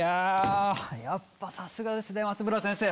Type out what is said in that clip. やっぱさすがですね松村先生。